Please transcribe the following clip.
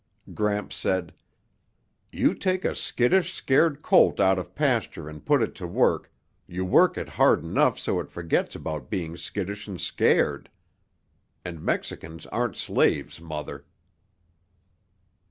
Gramps said, "You take a skittish, scared colt out of pasture and put it to work, you work it hard enough so it forgets about being skittish and scared. And Mexicans aren't slaves, Mother."